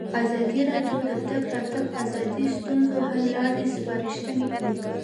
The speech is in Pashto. ازادي راډیو د د تګ راتګ ازادي د ستونزو حل لارې سپارښتنې کړي.